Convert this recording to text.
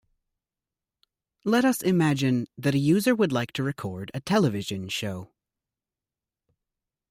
Let us imagine that a user would like to record a television show.